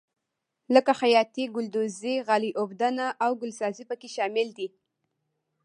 لکه خیاطي ګلدوزي غالۍ اوبدنه او ګلسازي پکې شامل دي.